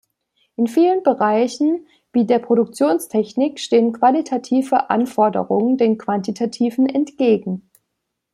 In vielen Bereichen, wie der Produktionstechnik, stehen qualitative Anforderungen den quantitativen entgegen.